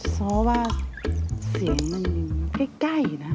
สมมติว่าเสียงมันอยู่ใกล้นะ